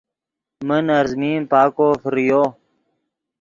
من ارزمین پاکو فریو